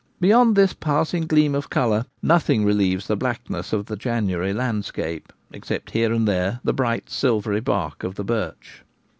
Beyond this passing gleam of colour, nothing relieves the black ness of the January landscape, except here and there the bright silvery bark of the birch.